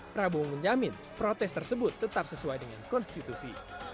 prabowo menjamin protes tersebut tetap sesuai dengan konstitusi